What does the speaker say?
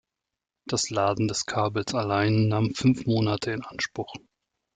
Das Laden des Kabels allein nahm fünf Monate in Anspruch.